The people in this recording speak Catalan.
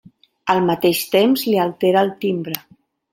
Al mateix temps li altera el timbre.